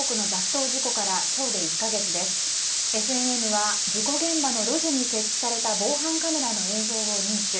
ＦＮＮは事故現場の路地に設置された防犯カメラの映像を入手。